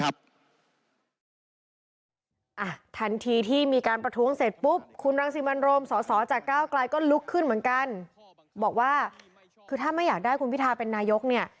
บอกว่าคือถ้าไม่อยากได้คุณพิทาเป็นนายกเนี่ย